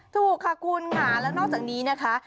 ถูกค่ะคุณค่ะแล้วนอกจากนี้นะคะ